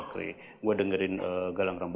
jadi jadi seperti tersebut taste grounds dua